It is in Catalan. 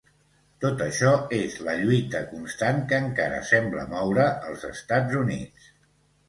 Tot això és la lluita constant que encara sembla moure els Estats Units.